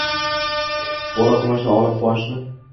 Bola quvonchi olam quvonchi